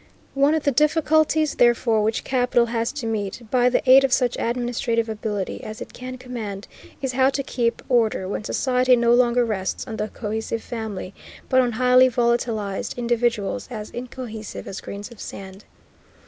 One of the difficulties, therefore, which capital has to meet, by the aid of such administrative ability as it can command, is how to keep order when society no longer rests on the cohesive family, but on highly volatilized individuals as incohesive as grains of sand.